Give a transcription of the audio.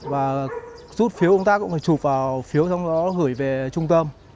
và rút phiếu công tác cũng phải chụp vào phiếu xong rồi gửi về trung tâm